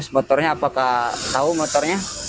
motornya apakah tahu motornya